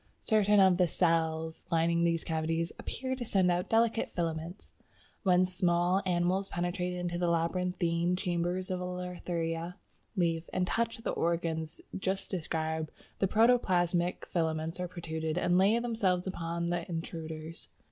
Certain of the cells lining these cavities "appear to send out delicate filaments. "When small animals penetrate into the labyrinthine chambers of a Lathraea leaf and touch the organs just described, the protoplasmic filaments are protruded and lay themselves upon the intruders.